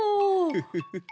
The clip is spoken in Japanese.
フフフフ。